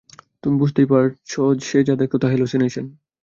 তুমি বুঝতেই পারছি, সে যা দেখত, তা হেলুসিনেশন।